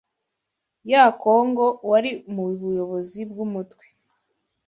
ya Congo wari mu buyobozi bw’umutwe